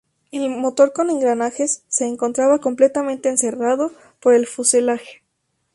El motor con engranajes se encontraba completamente encerrado por el fuselaje.